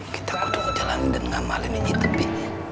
kita kutuk jalanin dan ngamalin ini tapi